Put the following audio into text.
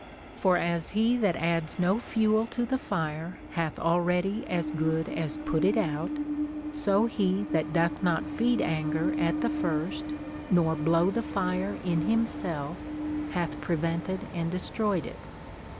For as he that adds no fuel to the fire hath already as good as put it out, so he that doth not feed anger at the first, nor blow the fire in himself, hath pre vented and destroyed it.